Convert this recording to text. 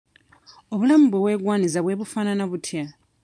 Obulamu bwe weegwaniza bwe bufaanana butya?